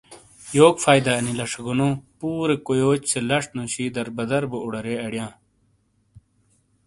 یوک فائدہ انی لچھہ گونو ؟ پورے کویوچ سے لچ نوشی دربدر بو اڈارے اڑیاں۔